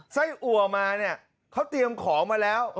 ไส้อัวมาเนี่ยเขาเตรียมของมาแล้ว